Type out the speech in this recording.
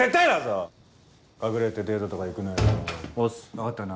分かったな？